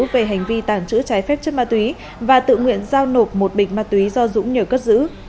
về hành vi tàng trữ trái phép chất ma túy và tự nguyện giao nộp một bịch ma túy do dũng nhờ cất giữ